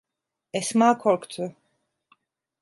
Esma korktu.